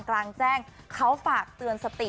กลางแจ้งเขาฝากเตือนสติ